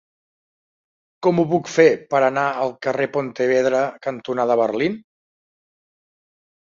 Com ho puc fer per anar al carrer Pontevedra cantonada Berlín?